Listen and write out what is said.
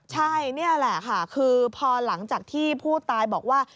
ใช่นี่แหละค่ะคือพอหลังจากที่ผู้ตายบอกว่า